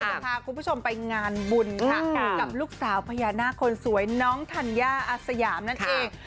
จะพาคุณผู้ชมไปงานบุญค่ะกับลูกสาวพญานาคคนสวยน้องธัญญาอาสยามนั่นเอง